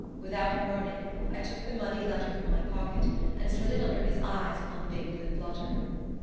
Without warning I took the muddy letter from my pocket, and slid it under his eyes upon the big blue blotter.